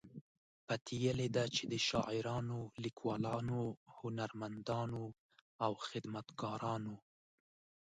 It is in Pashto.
پتیلې ده چې د شاعرانو، لیکوالو، هنرمندانو او خدمتګارانو